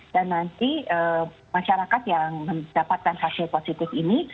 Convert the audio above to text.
dan nanti masyarakat yang mendapatkan hasil positif ini